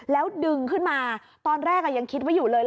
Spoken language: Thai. แล้วดึงขึ้นมาตอนแรกยังคิดไว้อยู่เลย